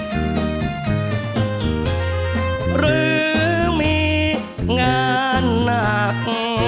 หรือมีงานหนัก